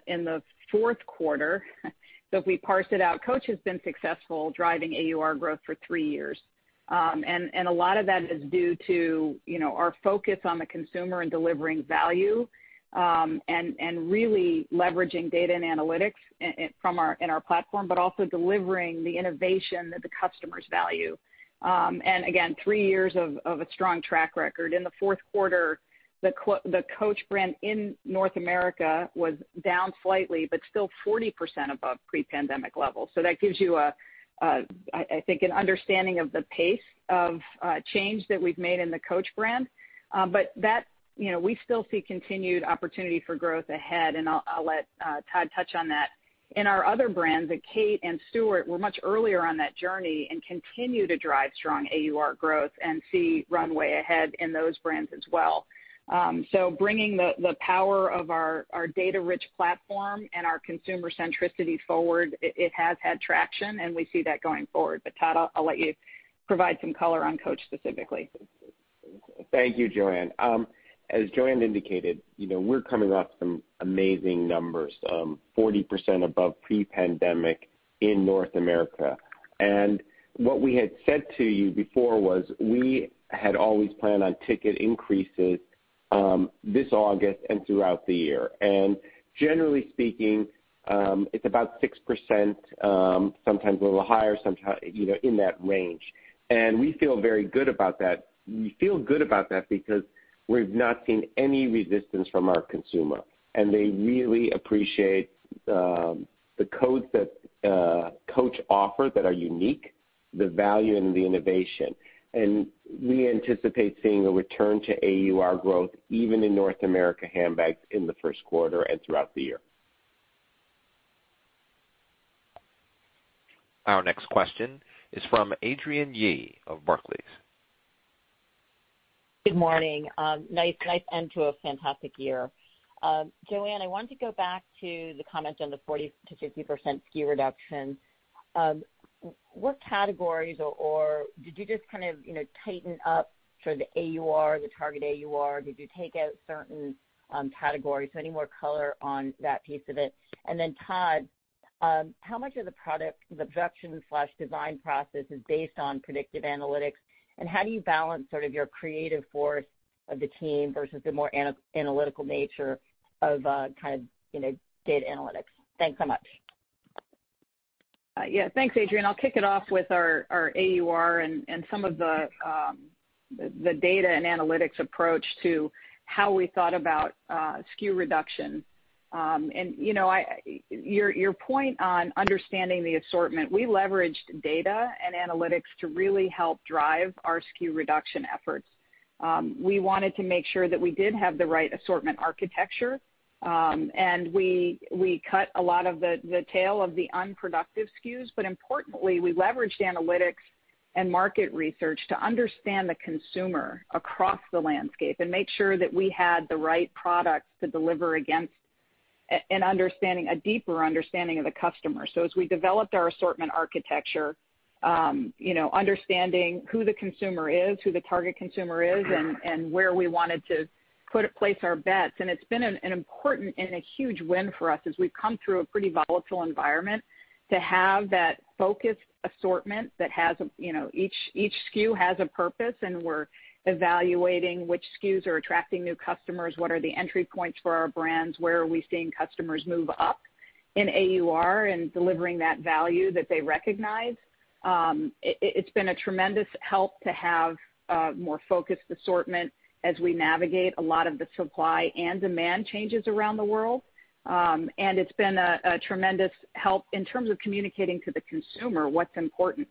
Q4. If we parse it out, Coach has been successful driving AUR growth for three years. And a lot of that is due to you know our focus on the consumer and delivering value and really leveraging data and analytics in our platform, but also delivering the innovation that the customers value. And again, three years of a strong track record. In the Q4, the Coach brand in North America was down slightly, but still 40% above pre-pandemic levels. That gives you, I think, an understanding of the pace of change that we've made in the Coach brand. But that, you know, we still see continued opportunity for growth ahead, and I'll let Todd touch on that. In our other brands, the Kate Spade and Stuart Weitzman were much earlier on that journey and continue to drive strong AUR growth and see runway ahead in those brands as well. Bringing the power of our data-rich platform and our consumer centricity forward, it has had traction, and we see that going forward. Todd, I'll let you provide some color on Coach specifically. Thank you, Joanne. As Joanne indicated, you know, we're coming off some amazing numbers, 40% above pre-pandemic in North America. What we had said to you before was we had always planned on ticket increases, this August and throughout the year. Generally speaking, it's about 6%, sometimes a little higher, sometimes, you know, in that range. We feel very good about that. We feel good about that because we've not seen any resistance from our consumer, and they really appreciate the codes that Coach offer that are unique, the value and the innovation. We anticipate seeing a return to AUR growth even in North America handbags in the Q1 and throughout the year. Our next question is from Adrienne Yih of Barclays. Good morning. Nice end to a fantastic year. Joanne, I wanted to go back to the comments on the 40%-50% SKU reduction. What categories or did you just kind of, you know, tighten up for the AUR, the target AUR? Did you take out certain categories? Any more color on that piece of it. Todd, how much of the product assortment slash design process is based on predictive analytics, and how do you balance sort of your creative force of the team versus the more analytical nature of, kind of, you know, data analytics? Thanks so much. Yeah. Thanks, Adrienne. I'll kick it off with our AUR and some of the data and analytics approach to how we thought about SKU reduction. You know, your point on understanding the assortment, we leveraged data and analytics to really help drive our SKU reduction efforts. We wanted to make sure that we did have the right assortment architecture, and we cut a lot of the tail of the unproductive SKUs. Importantly, we leveraged analytics and market research to understand the consumer across the landscape and make sure that we had the right products to deliver against a deeper understanding of the customer. As we developed our assortment architecture, understanding who the consumer is, who the target consumer is and where we wanted to place our bets. It's been an important and a huge win for us as we've come through a pretty volatile environment to have that focused assortment that has each SKU has a purpose, and we're evaluating which SKUs are attracting new customers, what are the entry points for our brands, where are we seeing customers move up in AUR and delivering that value that they recognize. It's been a tremendous help to have more focused assortment as we navigate a lot of the supply and demand changes around the world. It's been a tremendous help in terms of communicating to the consumer what's important.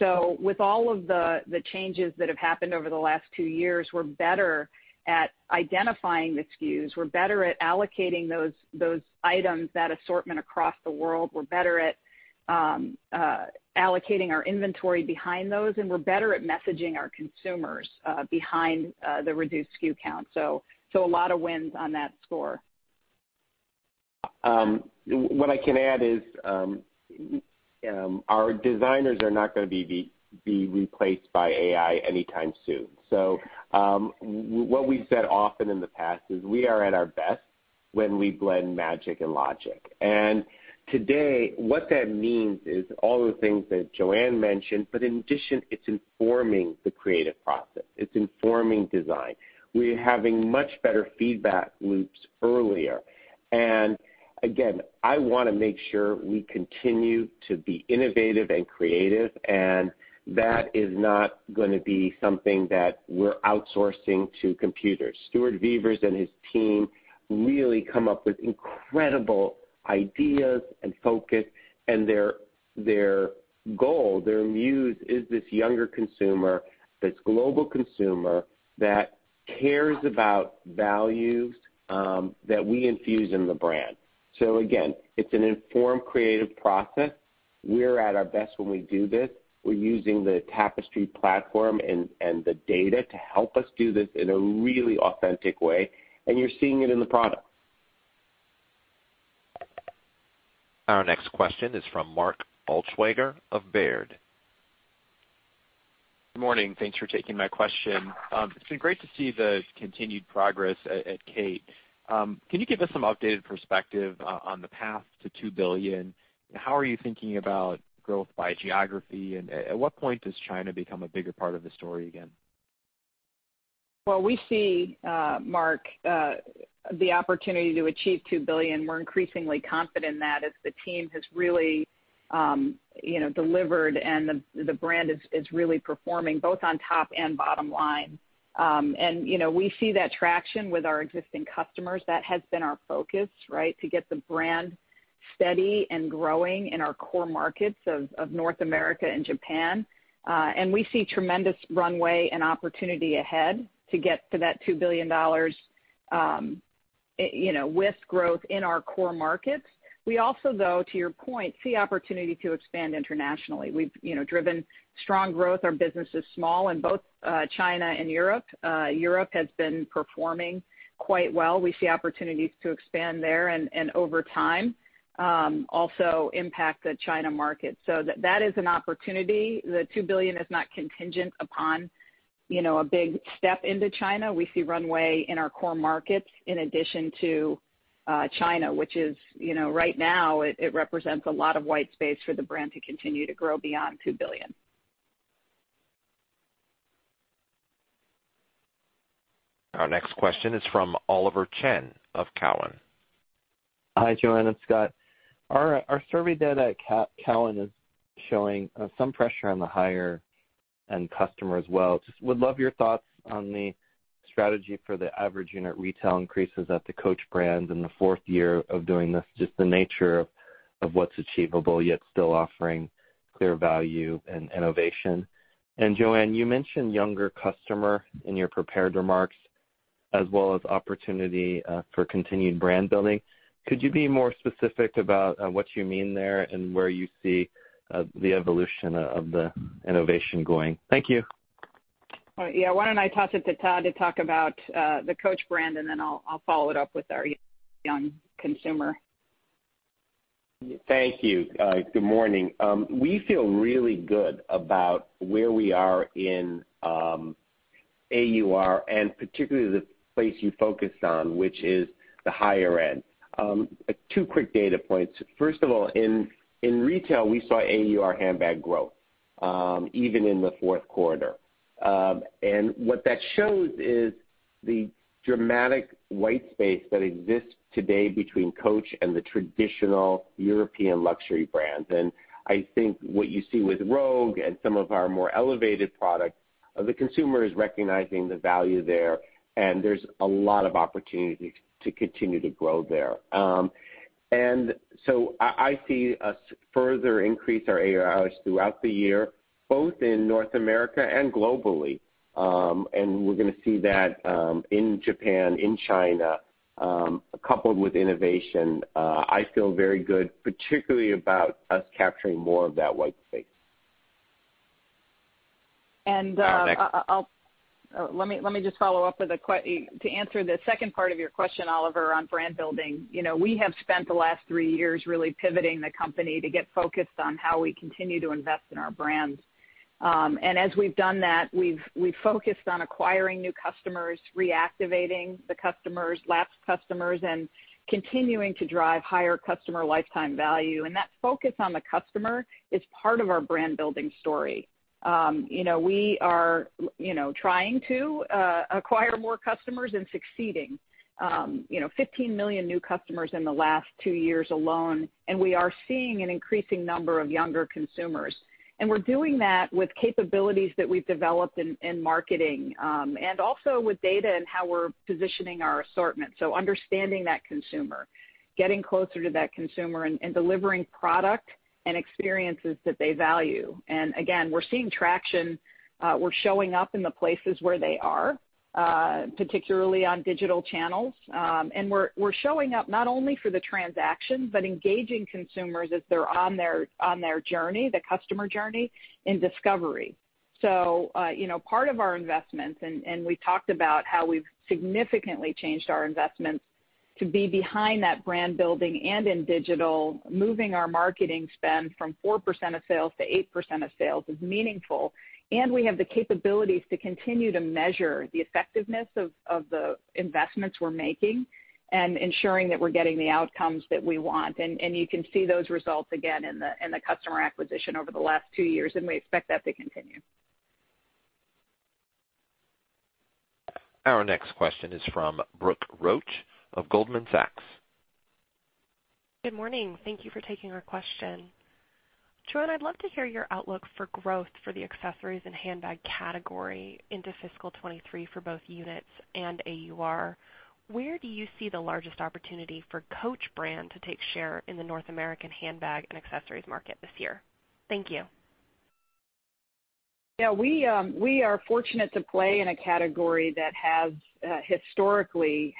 With all of the changes that have happened over the last two years, we're better at identifying the SKUs. We're better at allocating those items that assortment across the world. We're better at allocating our inventory behind those, and we're better at messaging our consumers behind the reduced SKU count. A lot of wins on that score. What I can add is, our designers are not gonna be replaced by AI anytime soon. What we've said often in the past is we are at our best when we blend magic and logic. Today, what that means is all the things that Joanne mentioned, but in addition, it's informing the creative process. It's informing design. We're having much better feedback loops earlier. Again, I wanna make sure we continue to be innovative and creative, and that is not gonna be something that we're outsourcing to computers. Stuart Vevers and his team really come up with incredible ideas and focus, and their goal, their muse is this younger consumer, this global consumer that cares about values that we infuse in the brand. Again, it's an informed creative process. We're at our best when we do this. We're using the Tapestry platform and the data to help us do this in a really authentic way, and you're seeing it in the product. Our next question is from Mark Altschwager of Baird. Good morning. Thanks for taking my question. It's been great to see the continued progress at Kate. Can you give us some updated perspective on the path to $2 billion? How are you thinking about growth by geography? At what point does China become a bigger part of the story again? Well, we see, Mark, the opportunity to achieve $2 billion. We're increasingly confident in that as the team has really, you know, delivered and the brand is really performing both on top and bottom line. We see that traction with our existing customers. That has been our focus, right? To get the brand steady and growing in our core markets of North America and Japan. We see tremendous runway and opportunity ahead to get to that $2 billion, you know, with growth in our core markets. We also, though, to your point, see opportunity to expand internationally. We've, you know, driven strong growth. Our business is small in both, China and Europe. Europe has been performing quite well. We see opportunities to expand there and over time also impact the China market. That is an opportunity. The $2 billion is not contingent upon, you know, a big step into China. We see runway in our core markets in addition to China, which, you know, right now it represents a lot of white space for the brand to continue to grow beyond $2 billion. Our next question is from Oliver Chen of Cowen. Hi, Joanne and Scott. Our survey data at Cowen is showing some pressure on the higher-end customer as well. Just would love your thoughts on the strategy for the average unit retail increases at the Coach brand in the fourth year of doing this, just the nature of what's achievable, yet still offering clear value and innovation. Joanne, you mentioned younger customer in your prepared remarks as well as opportunity for continued brand building. Could you be more specific about what you mean there and where you see the evolution of the innovation going? Thank you. Well, yeah. Why don't I toss it to Todd to talk about the Coach brand, and then I'll follow it up with our young consumer. Thank you. Good morning. We feel really good about where we are in AUR, and particularly the place you focused on, which is the higher end. Two quick data points. First of all, in retail, we saw AUR handbag growth, even in the Q4. What that shows is the dramatic white space that exists today between Coach and the traditional European luxury brands. I think what you see with Rogue and some of our more elevated products, the consumer is recognizing the value there, and there's a lot of opportunity to continue to grow there. I see us further increase our AURs throughout the year, both in North America and globally. We're gonna see that in Japan, in China, coupled with innovation. I feel very good, particularly about us capturing more of that white space. I'll. Our next- Oh, let me just follow up to answer the second part of your question, Oliver, on brand building. You know, we have spent the last three years really pivoting the company to get focused on how we continue to invest in our brands. As we've done that, we've focused on acquiring new customers, reactivating the customers, lapsed customers, and continuing to drive higher customer lifetime value. That focus on the customer is part of our brand-building story. You know, we are, you know, trying to acquire more customers and succeeding. You know, 15 million new customers in the last two years alone, and we are seeing an increasing number of younger consumers. We're doing that with capabilities that we've developed in marketing and also with data and how we're positioning our assortment. Understanding that consumer, getting closer to that consumer and delivering product and experiences that they value. Again, we're seeing traction, we're showing up in the places where they are, particularly on digital channels. We're showing up not only for the transaction, but engaging consumers as they're on their journey, the customer journey, in discovery. You know, part of our investments, and we talked about how we've significantly changed our investments to be behind that brand building and in digital, moving our marketing spend from 4% of sales to 8% of sales is meaningful. We have the capabilities to continue to measure the effectiveness of the investments we're making and ensuring that we're getting the outcomes that we want. You can see those results again in the customer acquisition over the last two years, and we expect that to continue. Our next question is from Brooke Roach of Goldman Sachs. Good morning. Thank you for taking our question. Joanne, I'd love to hear your outlook for growth for the accessories and handbag category into fiscal 2023 for both units and AUR. Where do you see the largest opportunity for Coach brand to take share in the North American handbag and accessories market this year? Thank you. Yeah, we are fortunate to play in a category that has historically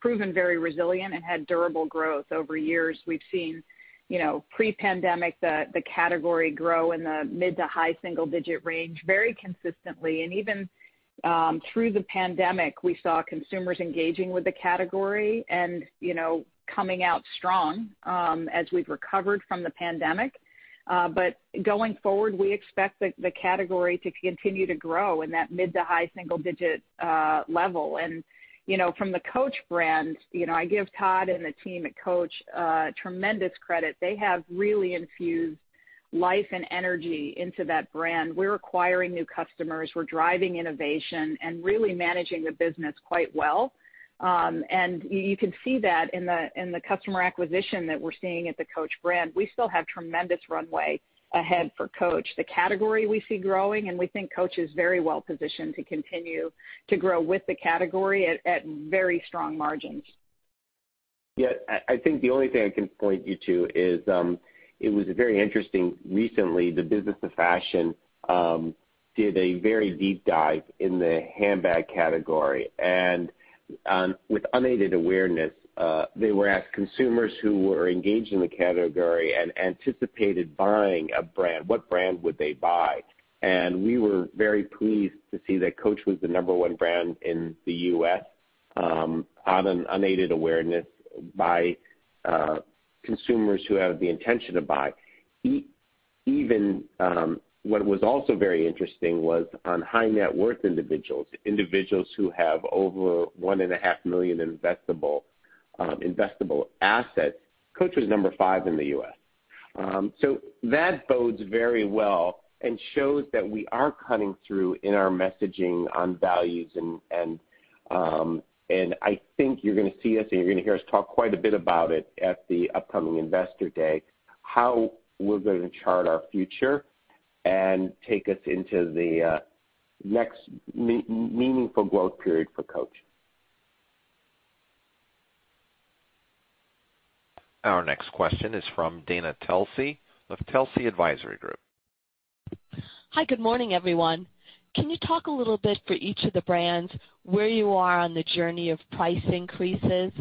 proven very resilient and had durable growth over years. We've seen, you know, pre-pandemic, the category grow in the mid- to high-single-digit range very consistently. Even through the pandemic, we saw consumers engaging with the category and, you know, coming out strong as we've recovered from the pandemic. Going forward, we expect the category to continue to grow in that mid- to high-single-digit level. From the Coach brand, you know, I give Todd and the team at Coach tremendous credit. They have really infused life and energy into that brand. We're acquiring new customers, we're driving innovation and really managing the business quite well. You can see that in the customer acquisition that we're seeing at the Coach brand. We still have tremendous runway ahead for Coach. The category we see growing. We think Coach is very well positioned to continue to grow with the category at very strong margins. Yeah, I think the only thing I can point you to is it was very interesting recently. The Business of Fashion did a very deep dive in the handbag category. With unaided awareness, they asked consumers who were engaged in the category and anticipated buying a brand, what brand would they buy. We were very pleased to see that Coach was the number one brand in the US, on an unaided awareness by consumers who have the intention to buy. Even, what was also very interesting was on high net worth individuals who have over $1.5 million investable assets, Coach was number five in the US That bodes very well and shows that we are cutting through in our messaging on values. I think you're gonna see us and you're gonna hear us talk quite a bit about it at the upcoming Investor Day, how we're gonna chart our future and take us into the next meaningful growth period for Coach. Our next question is from Dana Telsey of Telsey Advisory Group. Hi, good morning, everyone. Can you talk a little bit for each of the brands where you are on the journey of price increases?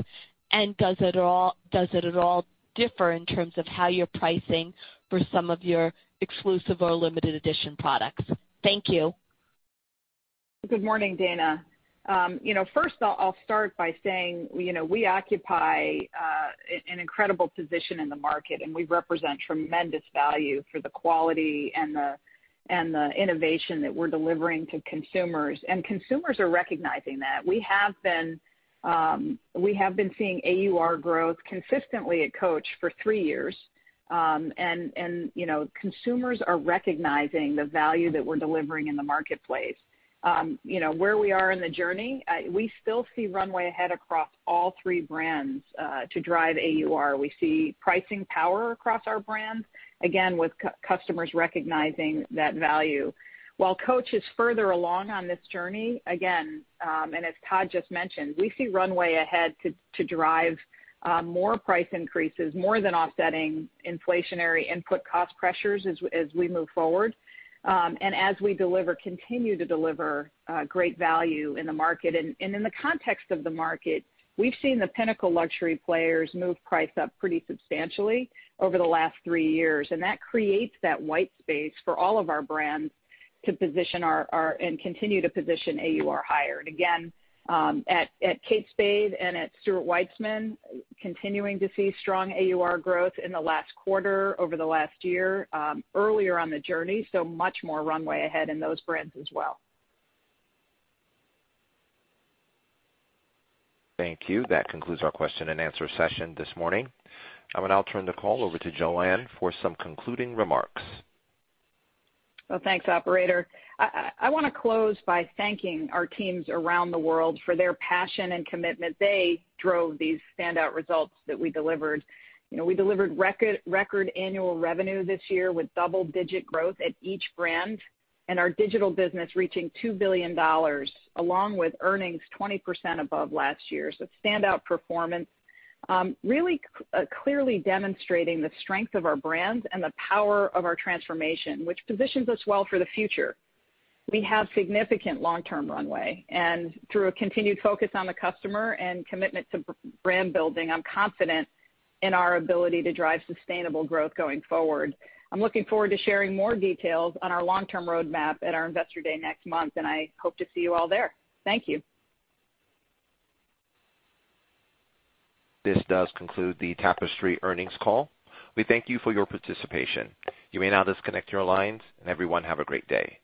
Does it at all differ in terms of how you're pricing for some of your exclusive or limited edition products? Thank you. Good morning, Dana. You know, first I'll start by saying, you know, we occupy an incredible position in the market, and we represent tremendous value for the quality and the innovation that we're delivering to consumers. Consumers are recognizing that. We have been seeing AUR growth consistently at Coach for three years. And you know, consumers are recognizing the value that we're delivering in the marketplace. You know, where we are in the journey, we still see runway ahead across all three brands to drive AUR. We see pricing power across our brands, again, with customers recognizing that value. While Coach is further along on this journey, again, and as Todd just mentioned, we see runway ahead to drive more price increases, more than offsetting inflationary input cost pressures as we move forward, and as we continue to deliver great value in the market. In the context of the market, we've seen the pinnacle luxury players move price up pretty substantially over the last three years, and that creates that white space for all of our brands to position and continue to position AUR higher. Again, at Kate Spade and at Stuart Weitzman, continuing to see strong AUR growth in the last quarter over the last year, earlier on the journey, so much more runway ahead in those brands as well. Thank you. That concludes our question-and-answer session this morning. I will now turn the call over to Joanne for some concluding remarks. Well, thanks, operator. I wanna close by thanking our teams around the world for their passion and commitment. They drove these standout results that we delivered. You know, we delivered record annual revenue this year with double-digit growth at each brand, and our digital business reaching $2 billion, along with earnings 20% above last year. Standout performance. Really clearly demonstrating the strength of our brands and the power of our transformation, which positions us well for the future. We have significant long-term runway, and through a continued focus on the customer and commitment to brand building, I'm confident in our ability to drive sustainable growth going forward. I'm looking forward to sharing more details on our long-term roadmap at our Investor Day next month, and I hope to see you all there. Thank you. This does conclude the Tapestry earnings call. We thank you for your participation. You may now disconnect your lines, and everyone, have a great day.